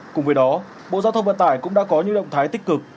cùng với đó bộ giao thông vận tải cũng đã có những động thái tích cực